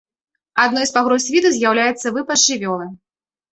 Адной з пагроз віду з'яўляецца выпас жывёлы.